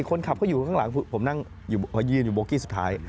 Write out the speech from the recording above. คนขับเขาอยู่ข้างหลังผมนั่งยืนอยู่โบกี้สุดท้าย